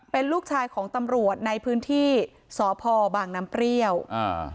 เป็นลูกชายของตำรวจในพื้นที่สพบางน้ำเปรี้ยวอ่า